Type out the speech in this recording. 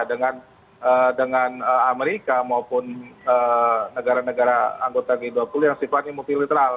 dengan amerika maupun negara negara anggota g dua puluh yang sifatnya multilateral